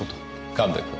神戸君。